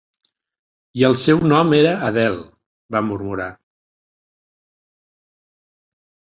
"I el seu nom era Adele", va murmurar.